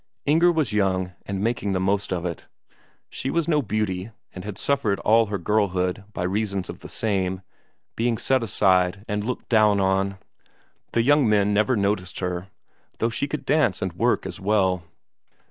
Inger was young, and making the most of it. She was no beauty, and had suffered all her girlhood by reason of the same, being set aside and looked down on. The young men never noticed her, though she could dance and work as well.